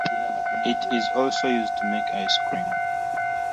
It is also used to make ice cream.